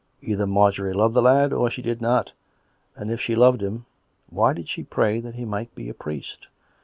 Either Marjorie loved the lad, or she did not, and if she loved him, why did she pray that he might be a priest?